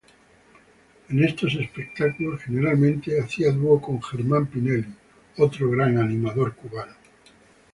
En estos espectáculos generalmente hacía dúo con Germán Pinelli, otro gran animador cubano.